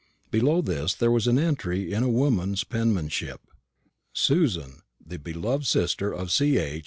Below this there was an entry in a woman's penmanship: "Susan, the beloved sister of C. H.